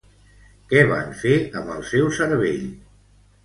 Què van fer amb el seu cervell?